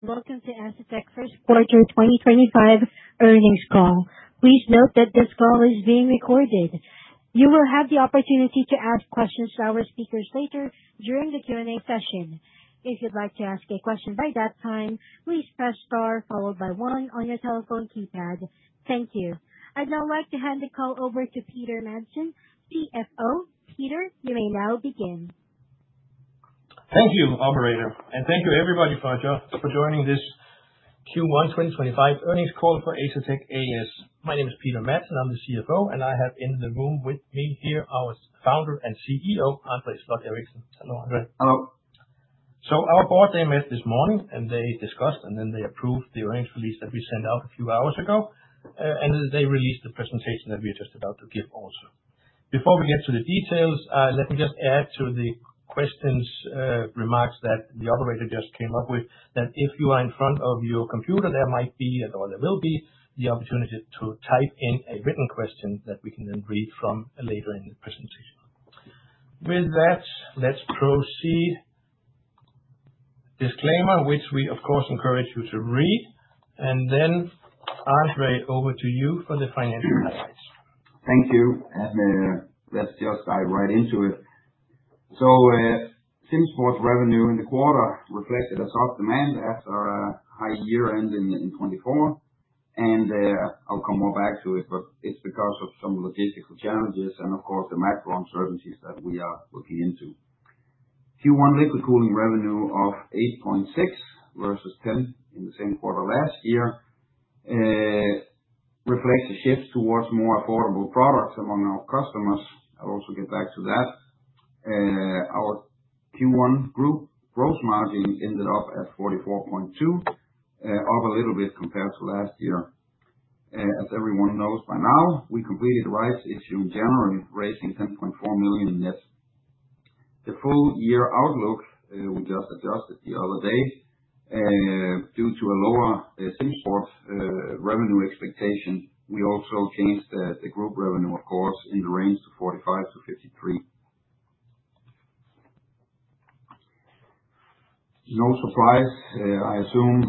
Welcome to Asetek First Quarter 2025 earnings call. Please note that this call is being recorded. You will have the opportunity to ask questions to our speakers later during the Q&A session. If you'd like to ask a question by that time, please press star followed by one on your telephone keypad. Thank you. I'd now like to hand the call over to Peter Madsen, CFO. Peter, you may now begin. Thank you, Operator, and thank you, everybody, for joining this Q1 2025 earnings call for Asetek A/S. My name is Peter Madsen, I'm the CFO, and I have in the room with me here our Founder and CEO, André Slot Eriksen. Hello, André. Hello. Our board met this morning, and they discussed, and then they approved the earnings release that we sent out a few hours ago, and they released the presentation that we are just about to give also. Before we get to the details, let me just add to the questions remarks that the Operator just came up with, that if you are in front of your computer, there might be, or there will be, the opportunity to type in a written question that we can then read from later in the presentation. With that, let's proceed. Disclaimer, which we, of course, encourage you to read, and then, André, over to you for the financial highlights. Thank you, and let's just dive right into it. SimSports' revenue in the quarter reflected a soft demand after a high year-end in 2024, and I'll come more back to it, but it's because of some logistical challenges and, of course, the macro uncertainties that we are looking into. Q1 Liquid Cooling revenue of $8.6 million versus $10 million in the same quarter last year reflects a shift towards more affordable products among our customers. I'll also get back to that. Our Q1 group gross margin ended up at 44.2%, up a little bit compared to last year. As everyone knows by now, we completed a rights issue in January, raising $10.4 million in nets. The full year outlook, we just adjusted the other day, due to a lower SimSports revenue expectation, we also changed the group revenue, of course, in the range to $45 million-$53 million. No surprise, I assume,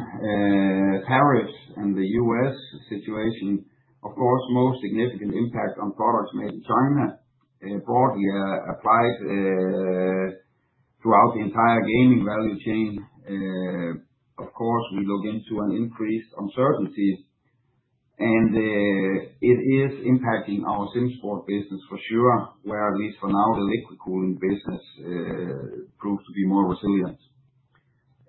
tariffs and the U.S. situation, of course, most significant impact on products made in China, broadly applied throughout the entire gaming value chain. Of course, we look into an increased uncertainty, and it is impacting our SimSports business for sure, where at least for now the Liquid Cooling business proves to be more resilient.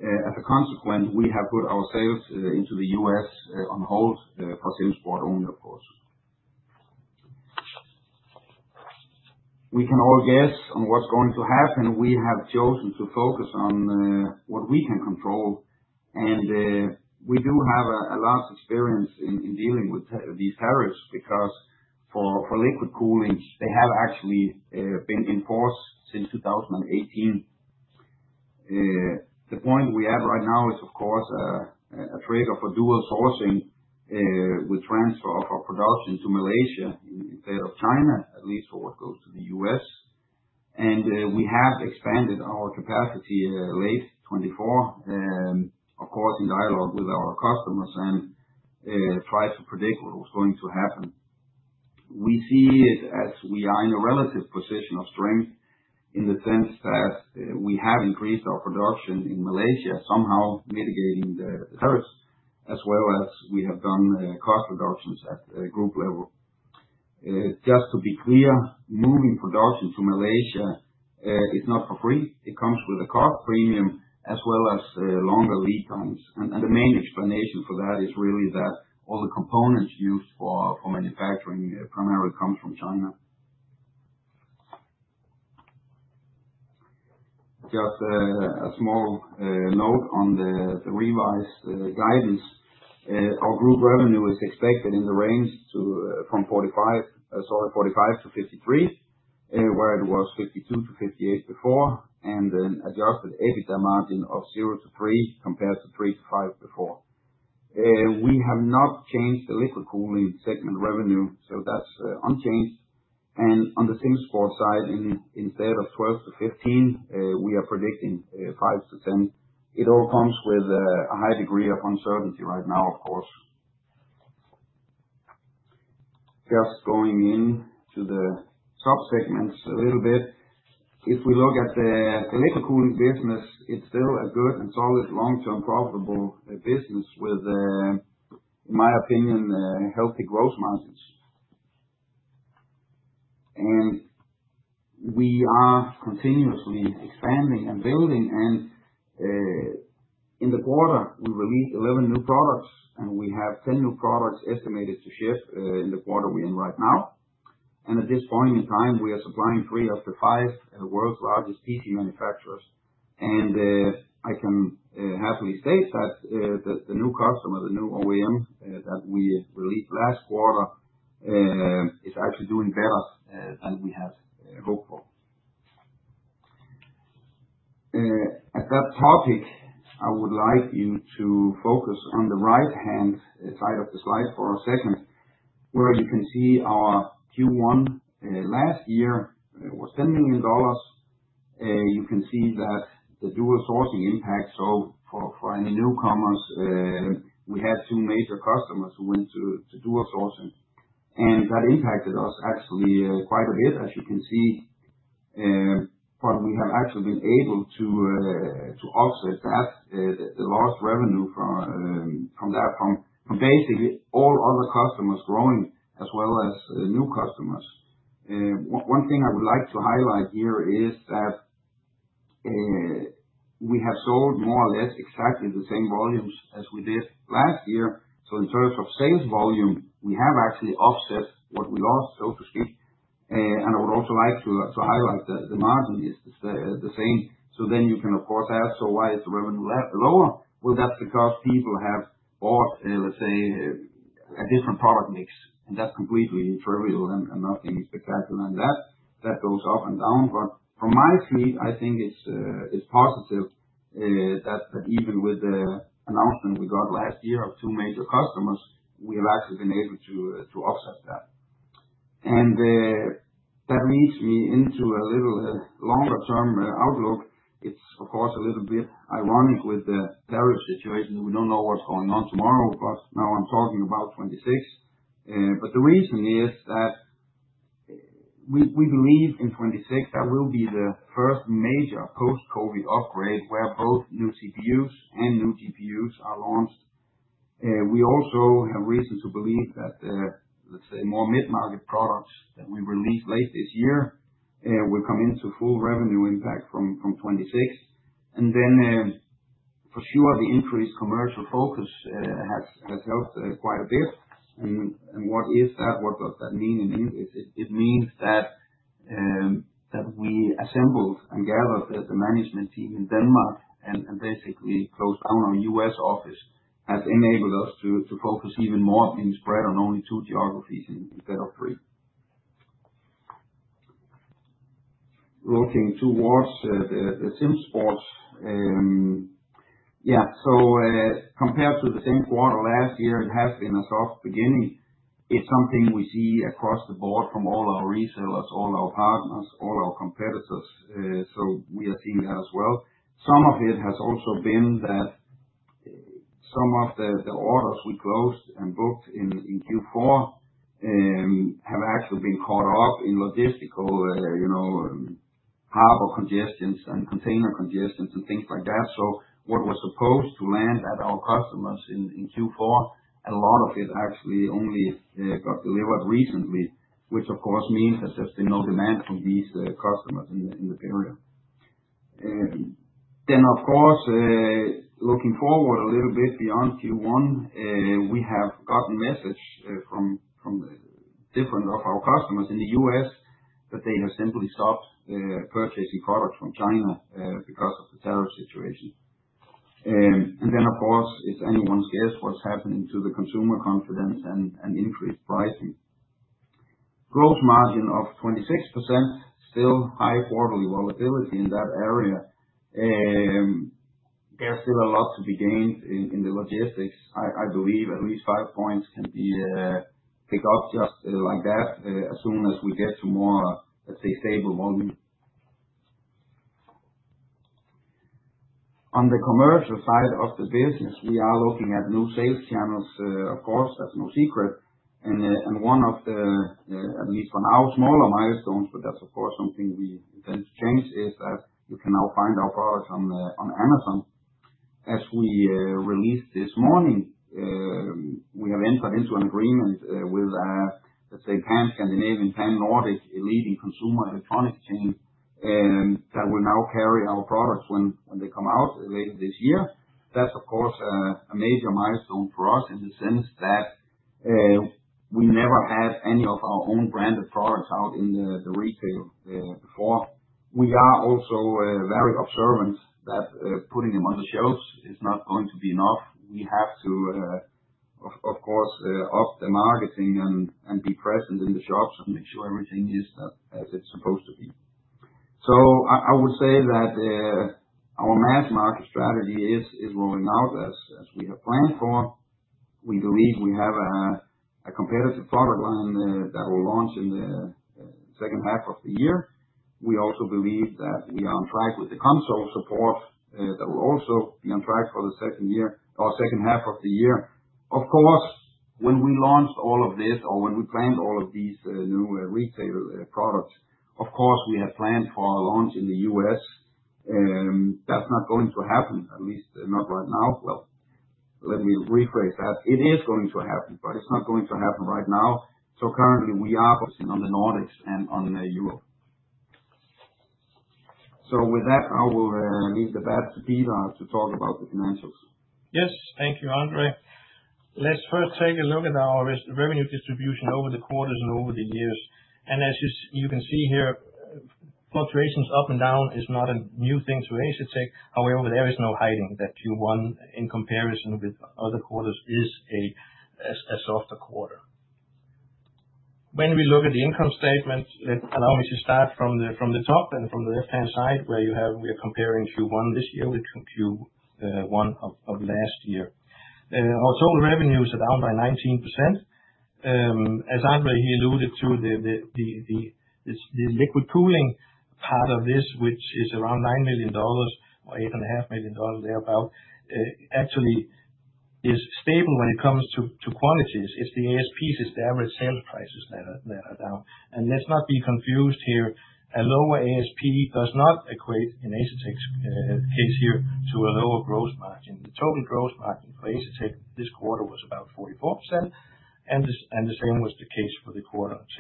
As a consequence, we have put our sales into the U.S. on hold for SimSports only, of course. We can all guess on what's going to happen. We have chosen to focus on what we can control, and we do have a large experience in dealing with these tariffs because for Liquid Cooling, they have actually been in force since 2018. The point we have right now is, of course, a trigger for dual sourcing with transfer of our production to Malaysia instead of China, at least for what goes to the U.S. We have expanded our capacity late 2024, of course, in dialogue with our customers and tried to predict what was going to happen. We see it as we are in a relative position of strength in the sense that we have increased our production in Malaysia, somehow mitigating the tariffs, as well as we have done cost reductions at group level. Just to be clear, moving production to Malaysia is not for free. It comes with a cost premium as well as longer lead times, and the main explanation for that is really that all the components used for manufacturing primarily come from China. Just a small note on the revised guidance, our group revenue is expected in the range from $45 million-$53 million, where it was $52 million-$58 million before, and an adjusted EBITDA margin of 0%-3% compared to 3%-5% before. We have not changed the Liquid Cooling segment revenue, so that is unchanged, and on the SimSports side, instead of $12 million-$15 million, we are predicting $5 million-$10 million. It all comes with a high degree of uncertainty right now, of course. Just going into the subsegments a little bit, if we look at the Liquid Cooling business, it is still a good and solid long-term profitable business with, in my opinion, healthy gross margins. We are continuously expanding and building, and in the quarter, we released 11 new products, and we have 10 new products estimated to ship in the quarter we are in right now. At this point in time, we are supplying three of the five world's largest PC manufacturers, and I can happily state that the new customer, the new OEM that we released last quarter, is actually doing better than we had hoped for. On that topic, I would like you to focus on the right-hand side of the slide for a second, where you can see our Q1 last year was $10 million. You can see that the dual sourcing impact, so for any newcomers, we had two major customers who went to dual sourcing, and that impacted us actually quite a bit, as you can see. We have actually been able to offset that, the lost revenue from that, from basically all other customers growing as well as new customers. One thing I would like to highlight here is that we have sold more or less exactly the same volumes as we did last year, so in terms of sales volume, we have actually offset what we lost, so to speak. I would also like to highlight that the margin is the same. You can, of course, ask, why is the revenue lower? That is because people have bought, let's say, a different product mix, and that is completely trivial and nothing spectacular than that. That goes up and down, but from my seat, I think it's positive that even with the announcement we got last year of two major customers, we have actually been able to offset that. That leads me into a little longer-term outlook. It is, of course, a little bit ironic with the tariff situation. We do not know what is going on tomorrow, but now I am talking about 2026. The reason is that we believe in 2026 that will be the first major post-COVID upgrade where both new CPUs and new GPUs are launched. We also have reason to believe that, let us say, more mid-market products that we release late this year will come into full revenue impact from 2026. For sure, the increased commercial focus has helped quite a bit. What is that? What does that mean? It means that we assembled and gathered the management team in Denmark and basically closed down our U.S. office, which has enabled us to focus even more, being spread on only two geographies instead of three. Looking towards the SimSports, compared to the same quarter last year, it has been a soft beginning. It's something we see across the board from all our resellers, all our partners, all our competitors, so we are seeing that as well. Some of it has also been that some of the orders we closed and booked in Q4 have actually been caught up in logistical harbor congestions and container congestions and things like that. What was supposed to land at our customers in Q4, a lot of it actually only got delivered recently, which, of course, means that there's been no demand from these customers in the period. Of course, looking forward a little bit beyond Q1, we have gotten messages from different of our customers in the U.S. that they have simply stopped purchasing products from China because of the tariff situation. Of course, it's anyone's guess what's happening to the consumer confidence and increased pricing. Gross margin of 26%, still high quarterly volatility in that area. There's still a lot to be gained in the logistics. I believe at least five percentage points can be picked up just like that as soon as we get to more, let's say, stable volume. On the commercial side of the business, we are looking at new sales channels, of course, that's no secret. One of the, at least for now, smaller milestones, but that's, of course, something we intend to change, is that you can now find our products on Amazon. As we released this morning, we have entered into an agreement with, let's say, Pan-Scandinavian, Pan-Nordic leading consumer electronics chain that will now carry our products when they come out later this year. That's, of course, a major milestone for us in the sense that we never had any of our own branded products out in the retail before. We are also very observant that putting them on the shelves is not going to be enough. We have to, of course, up the marketing and be present in the shops and make sure everything is as it's supposed to be. I would say that our mass-market strategy is rolling out as we have planned for. We believe we have a competitive product line that will launch in the second half of the year. We also believe that we are on track with the console support that will also be on track for the second year or second half of the year. Of course, when we launched all of this or when we planned all of these new retail products, of course, we had planned for a launch in the U.S. That's not going to happen, at least not right now. Let me rephrase that. It is going to happen, but it's not going to happen right now. Currently, we are focusing on the Nordics and on Europe. With that, I will leave the bat to Peter to talk about the financials. Yes, thank you, André. Let's first take a look at our revenue distribution over the quarters and over the years. As you can see here, fluctuations up and down is not a new thing to Asetek. However, there is no hiding that Q1, in comparison with other quarters, is a softer quarter. When we look at the income statement, let me start from the top and from the left-hand side where we are comparing Q1 this year with Q1 of last year. Our total revenues are down by 19%. As André here alluded to, the Liquid Cooling part of this, which is around $9 million or $8.5 million thereabout, actually is stable when it comes to quantities. It's the ASPs, it's the average sales prices that are down. Let's not be confused here. A lower ASP does not equate in Asetek's case here to a lower gross margin. The total gross margin for Asetek this quarter was about 44%, and the same was the case for the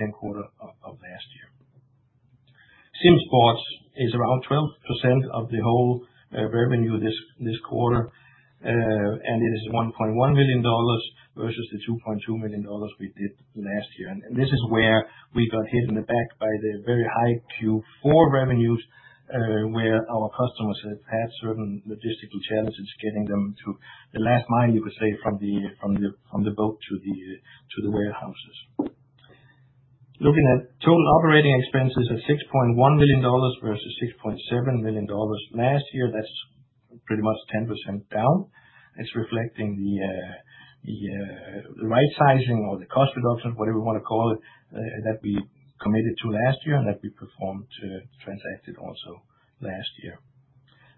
same quarter of last year. SimSports is around 12% of the whole revenue this quarter, and it is $1.1 million versus the $2.2 million we did last year. This is where we got hit in the back by the very high Q4 revenues, where our customers have had certain logistical challenges getting them to the last mile, you could say, from the boat to the warehouses. Looking at total operating expenses at $6.1 million versus $6.7 million last year, that is pretty much 10% down. It is reflecting the right sizing or the cost reduction, whatever you want to call it, that we committed to last year and that we performed transacted also last year.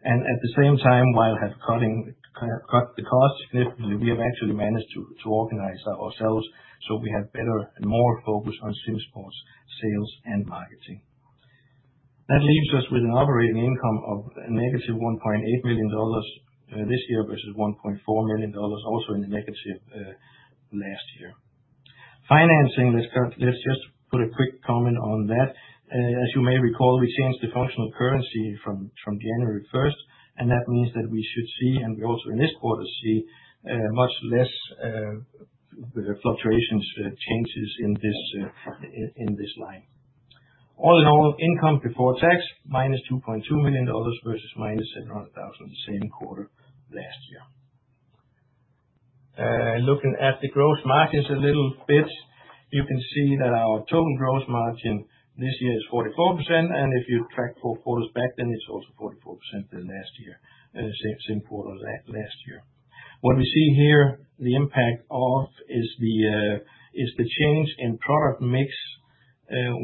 At the same time, while having cut the cost significantly, we have actually managed to organize ourselves so we have better and more focus on SimSports' sales and marketing. That leaves us with an operating income of -$1.8 million this year versus -$1.4 million, also in the negative last year. Financing, let's just put a quick comment on that. As you may recall, we changed the functional currency from January 1, and that means that we should see, and we also in this quarter see, much less fluctuations, changes in this line. All in all, income before tax -$2.2 million versus -$700,000 the same quarter last year. Looking at the gross margins a little bit, you can see that our total gross margin this year is 44%, and if you track four quarters back, then it's also 44% the same quarter last year. What we see here, the impact of is the change in product mix,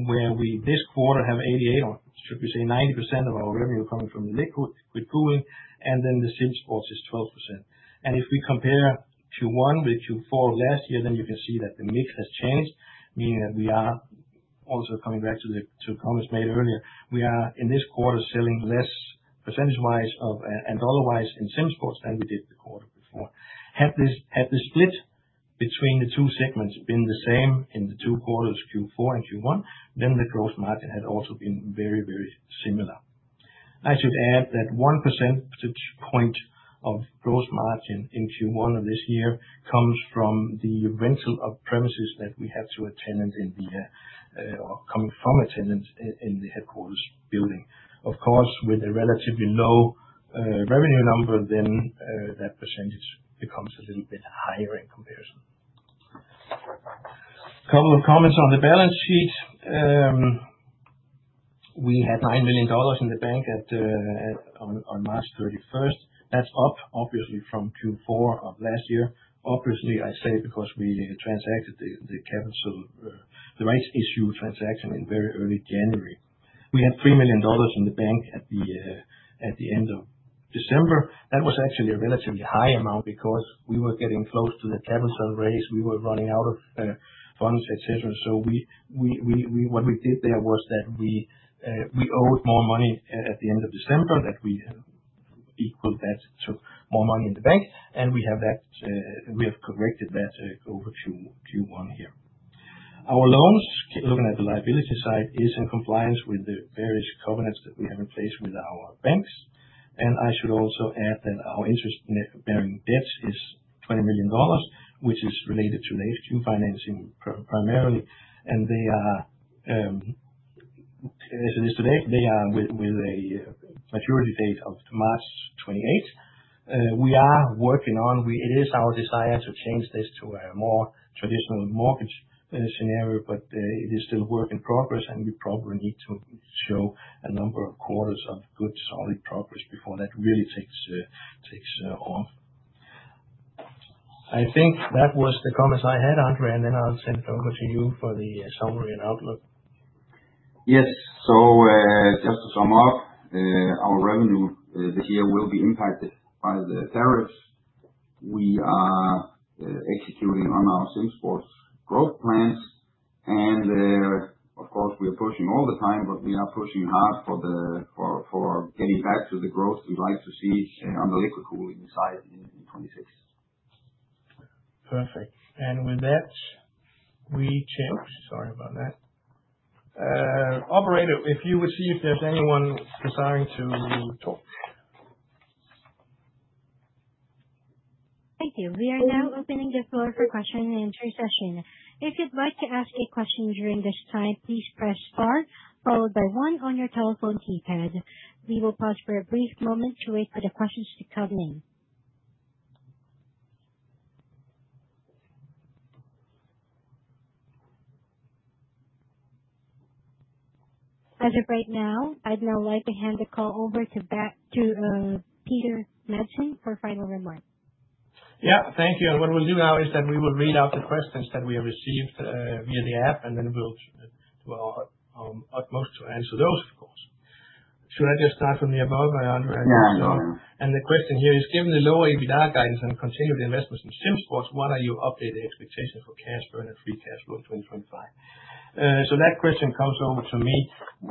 where we this quarter have 88%, or should we say 90% of our revenue coming from the Liquid Cooling, and then the SimSports is 12%. If we compare Q1 with Q4 last year, then you can see that the mix has changed, meaning that we are also coming back to the comments made earlier. We are in this quarter selling less percentage-wise and dollar-wise in SimSports than we did the quarter before. Had the split between the two segments been the same in the two quarters, Q4 and Q1, then the gross margin had also been very, very similar. I should add that 1 percentage point of gross margin in Q1 of this year comes from the rental of premises that we had to a tenant in the or coming from a tenant in the headquarters building. Of course, with a relatively low revenue number, then that percentage becomes a little bit higher in comparison. A couple of comments on the balance sheet. We had $9 million in the bank on March 31. That's up, obviously, from Q4 of last year. Obviously, I say because we transacted the capital rights issue transaction in very early January. We had $3 million in the bank at the end of December. That was actually a relatively high amount because we were getting close to the capital raise. We were running out of funds, etc. What we did there was that we owed more money at the end of December, that we equaled that to more money in the bank, and we have corrected that over Q1 here. Our loans, looking at the liability side, is in compliance with the various covenants that we have in place with our banks. I should also add that our interest-bearing debt is $20 million, which is related to late Q financing primarily. As it is today, they are with a maturity date of March 28. We are working on it. It is our desire to change this to a more traditional mortgage scenario, but it is still a work in progress, and we probably need to show a number of quarters of good solid progress before that really takes off. I think that was the comments I had, André, and then I'll send it over to you for the summary and outlook. Yes. Just to sum up, our revenue this year will be impacted by the tariffs. We are executing on our SimSports growth plans, and of course, we are pushing all the time, but we are pushing hard for getting back to the growth we'd like to see on the Liquid Cooling side in 2026. Perfect. With that, we—sorry about that. Operator, if you would see if there's anyone desiring to talk. Thank you. We are now opening the floor for question and answer session. If you'd like to ask a question during this time, please press star, followed by one on your telephone keypad. We will pause for a brief moment to wait for the questions to come in. As of right now, I'd now like to hand the call over to Peter Madsen for final remarks. Yeah, thank you. What we'll do now is that we will read out the questions that we have received via the app, and then we'll do our utmost to answer those, of course. Should I just start from the above, André? Yeah, yeah. The question here is, "Given the lower EBITDA guidance and continued investments in SimSports, what are your updated expectations for cash burn and free cash flow in 2025?" That question comes over to me.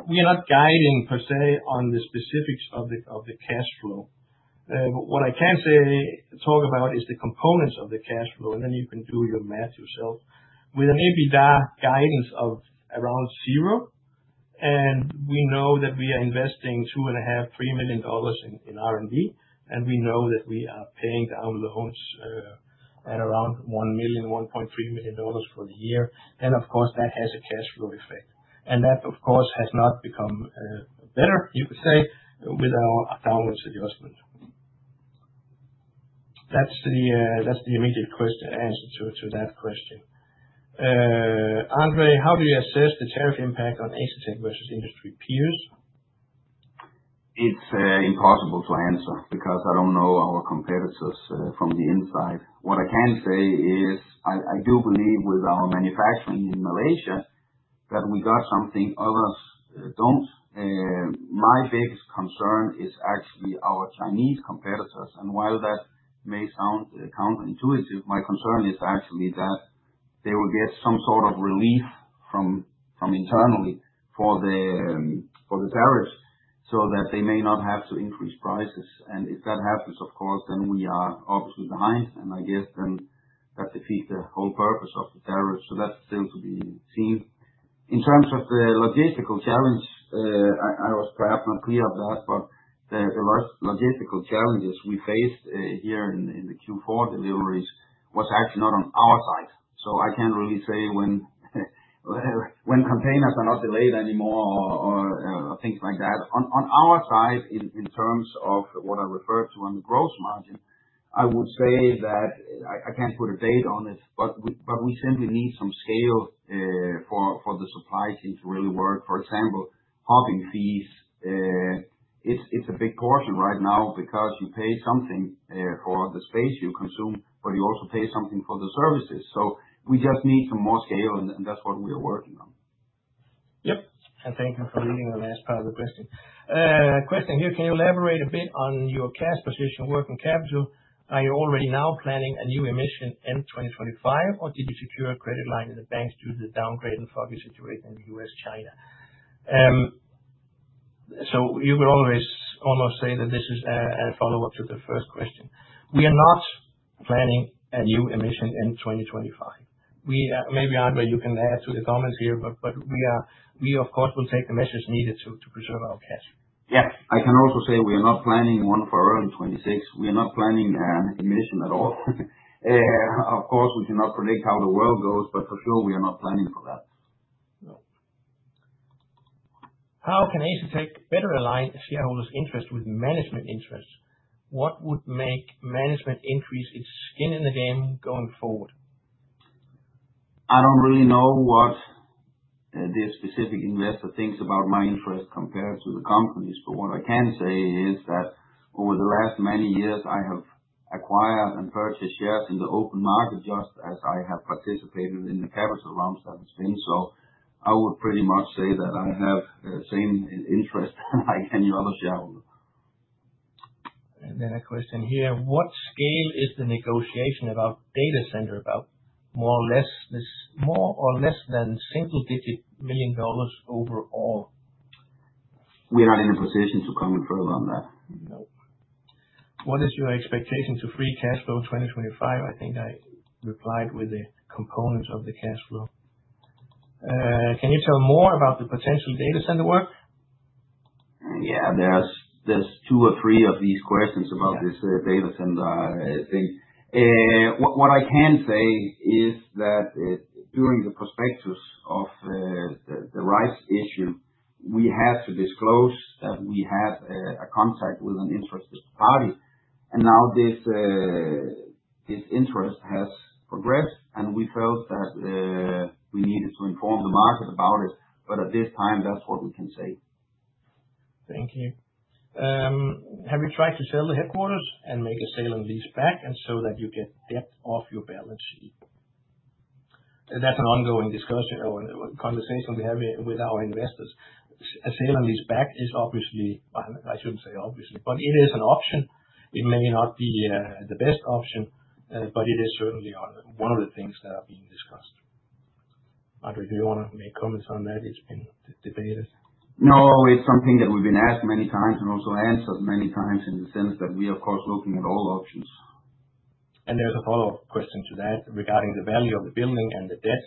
We are not guiding per se on the specifics of the cash flow. What I can talk about is the components of the cash flow, and then you can do your math yourself. With an EBITDA guidance of around zero, and we know that we are investing $2.5 million-$3 million in R&D, and we know that we are paying down loans at around $1 million-$1.3 million for the year. Of course, that has a cash flow effect. That, of course, has not become better, you could say, with our account's adjustment. That is the immediate answer to that question. André, how do you assess the tariff impact on Asetek versus industry peers? It's impossible to answer because I don't know our competitors from the inside. What I can say is I do believe with our manufacturing in Malaysia that we got something others don't. My biggest concern is actually our Chinese competitors. While that may sound counterintuitive, my concern is actually that they will get some sort of relief from internally for the tariffs so that they may not have to increase prices. If that happens, of course, we are obviously behind, and I guess that defeats the whole purpose of the tariffs. That's still to be seen. In terms of the logistical challenge, I was perhaps not clear of that, but the logistical challenges we faced here in the Q4 deliveries was actually not on our side. I can't really say when containers are not delayed anymore or things like that. On our side, in terms of what I referred to on the gross margin, I would say that I can't put a date on it, but we simply need some scale for the supply chain to really work. For example, hopping fees, it's a big portion right now because you pay something for the space you consume, but you also pay something for the services. So we just need some more scale, and that's what we are working on. Yep. Thank you for reading the last part of the question. Question here, "Can you elaborate a bit on your cash position working capital? Are you already now planning a new emission end 2025, or did you secure a credit line in the bank due to the downgrade and foggy situation in the U.S., China?" You could almost say that this is a follow-up to the first question. We are not planning a new emission end 2025. Maybe, André, you can add to the comments here, but we, of course, will take the measures needed to preserve our cash. Yes. I can also say we are not planning one for early 2026. We are not planning an emission at all. Of course, we cannot predict how the world goes, but for sure, we are not planning for that. No. How can Asetek better align shareholders' interests with management interests? What would make management increase its skin in the game going forward? I don't really know what the specific investor thinks about my interest compared to the company's, but what I can say is that over the last many years, I have acquired and purchased shares in the open market just as I have participated in the capital rounds that have been. I would pretty much say that I have the same interest as any other shareholder. A question here, "What scale is the negotiation about data center about, more or less than single-digit million dollars overall? We're not in a position to comment further on that. No. "What is your expectation to free-cash flow in 2025?" I think I replied with the components of the cash flow. "Can you tell more about the potential data center work? Yeah. There are two or three of these questions about this data center thing. What I can say is that during the prospectus of the rights issue, we had to disclose that we had a contact with an interested party, and now this interest has progressed, and we felt that we needed to inform the market about it. At this time, that's what we can say. Thank you. "Have you tried to sell the headquarters and make a sale and lease back so that you get debt off your balance sheet?" That is an ongoing conversation we have with our investors. A sale and lease back is obviously—I should not say obviously, but it is an option. It may not be the best option, but it is certainly one of the things that are being discussed. André, do you want to make comments on that? It has been debated. No. It's something that we've been asked many times and also answered many times in the sense that we are, of course, looking at all options. There is a follow-up question to that regarding the value of the building and the debt.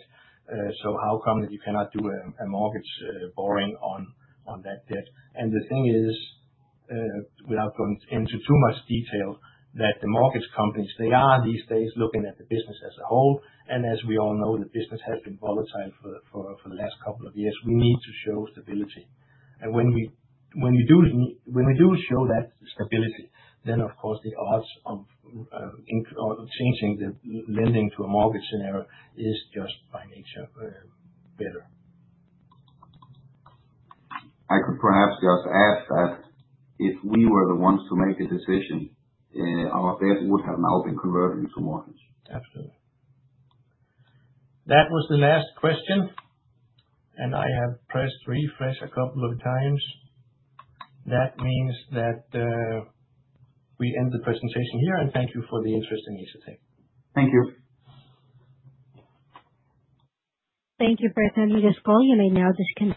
How come that you cannot do a mortgage borrowing on that debt? The thing is, without going into too much detail, the mortgage companies are these days looking at the business as a whole. As we all know, the business has been volatile for the last couple of years. We need to show stability. When we do show that stability, then, of course, the odds of changing the lending to a mortgage scenario is just by nature better. I could perhaps just add that if we were the ones to make a decision, our debt would have now been converted into mortgage. Absolutely. That was the last question, and I have pressed refresh a couple of times. That means that we end the presentation here, and thank you for the interest in Asetek. Thank you. Thank you for attending this call. You may now disconnect.